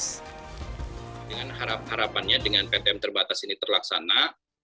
sehingga dengan ptm terbatas ini terlaksana